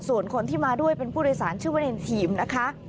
ส่วนคนที่มาด้วยเป็นผู้โดยสารชื่อว่าในทีมนะคะ